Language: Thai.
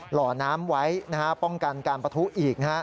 หล่อน้ำไว้ป้องกันการปะทุอีก